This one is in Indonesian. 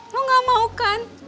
lo gak mau kan